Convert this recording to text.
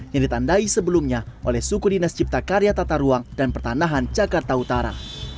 yang ditandai sebelumnya oleh suku dinas cipta karya tata ruang dan pertanahan jakarta utara